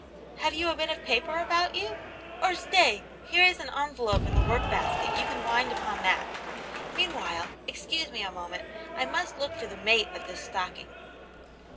Have you a bit of paper about you ? Or stay, here is an enve lope in the work basket, you can wind upon that Meanwhile, excuse me a moment, I must look for the mate of this stocking."